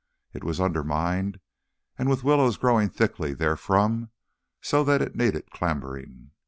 It was undermined, and with willows growing thickly therefrom, so that it needed clambering.